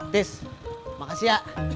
tis makasih ya